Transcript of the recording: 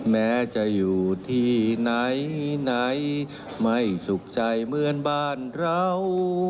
แม้จะอยู่ที่ไหนไม่สุขใจเหมือนบ้านเรา